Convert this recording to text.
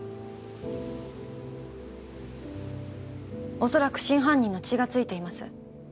おそらく真犯人の血がついています。